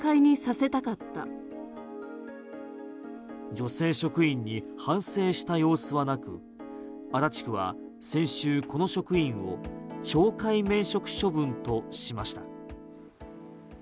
女性職員に反省した様子はなく足立区は先週この職員を懲戒免職処分としました。